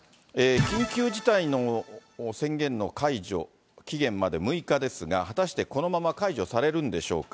緊急事態の宣言の解除、期限まで６日ですが、果たしてこのまま解除されるんでしょうか。